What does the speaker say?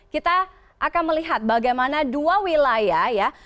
kita akan melihat bagaimana dua wilayah ya